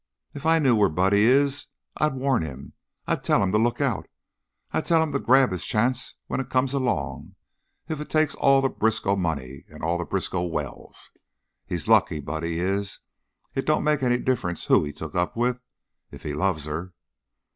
If I knew where Buddy is, I'd warn him. I'd tell him to look out. I'd tell him to grab his chance when it comes along, if it takes all the Briskow money, all the Briskow wells. He's lucky, Buddy is. It don't make any difference who he took up with, if he loves her."